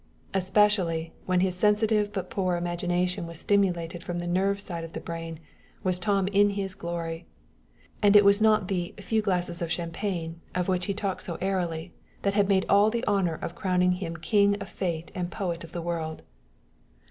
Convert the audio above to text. Especially, when his sensitive but poor imagination was stimulated from the nerve side of the brain, was Tom in his glory; and it was not the "few glasses of champagne," of which he talked so airily, that had all the honor of crowning him king of fate and poet of the world.